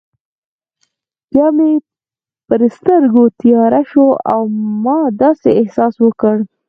بیا مې پر سترګو تیاره شوه، ما داسې احساس وکړل.